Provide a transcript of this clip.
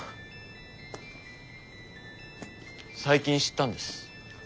最近知ったんです。